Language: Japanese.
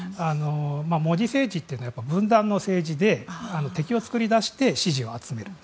モディ政治というのは分断の政治で敵を作り出して支持を集める。